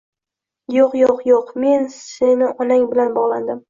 Yoʻq, yoʻq, yoʻq, men seni onang bilan bogʻlandim